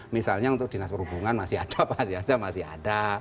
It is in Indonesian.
misalnya untuk dinas perhubungan masih ada pasti aja masih ada